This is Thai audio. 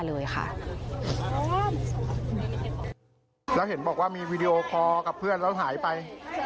แล้วเห็นบอกว่ามีวีดีโอคอร์กับเพื่อนแล้วหายไป